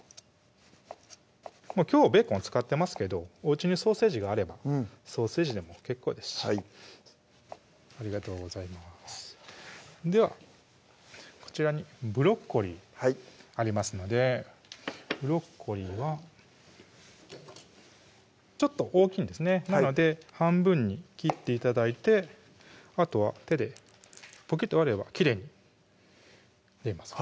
きょうベーコン使ってますけどおうちにソーセージがあればソーセージでも結構ですしありがとうございますではこちらにブロッコリーありますのでブロッコリーはちょっと大きいんですねなので半分に切って頂いてあとは手でポキッと割ればきれいにできます